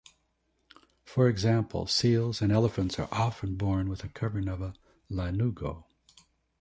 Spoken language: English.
For example, seals and elephants are often born with a covering of lanugo.